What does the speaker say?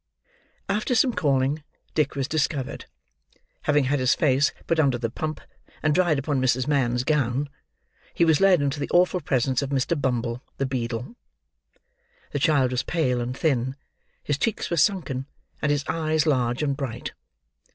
After some calling, Dick was discovered. Having had his face put under the pump, and dried upon Mrs. Mann's gown, he was led into the awful presence of Mr. Bumble, the beadle. The child was pale and thin; his cheeks were sunken; and his eyes large and bright.